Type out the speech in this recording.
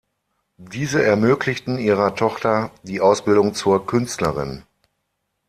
Diese ermöglichten ihrer Tochter die Ausbildung zur Künstlerin.